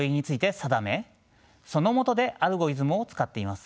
そのもとでアルゴリズムを使っています。